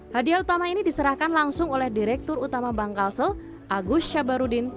hadiah utama ini diserahkan langsung oleh direktur utama bank kalsel agus syabarudin